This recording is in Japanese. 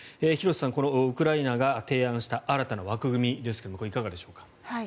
廣瀬さん、このウクライナが提案した新たな枠組みですがこれ、いかがでしょうか。